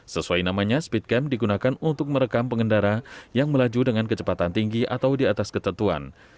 sesuai namanya speed camp digunakan untuk merekam pengendara yang melaju dengan kecepatan tinggi atau di atas ketetuan